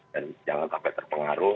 dan jangan sampai terpengaruh